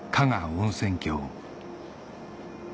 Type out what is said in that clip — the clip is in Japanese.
温泉郷